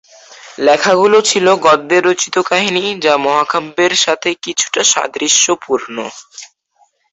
লেখাগুলো ছিল গদ্যে রচিত কাহিনী যা মহাকাব্যের সাথে কিছুটা সাদৃশ্যপূর্ণ।